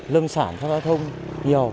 lâm sản ra giao thông nhiều